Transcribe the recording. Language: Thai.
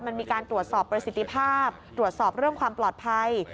มันมีการตรวจสอบประสิทธิภาพตรวจสอบเรื่องความปลอดภัย